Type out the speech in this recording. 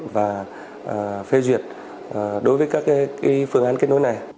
và phê duyệt đối với các phương án kết nối này